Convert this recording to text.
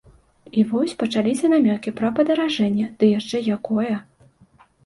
І вось пачаліся намёкі пра падаражэнне, ды яшчэ якое.